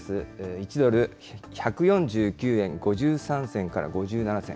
１ドル１４９円５３銭から５７銭。